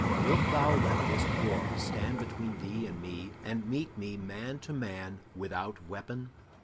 Wilt thou let this quarrel stand between thee and me, and meet me man to man without weapon?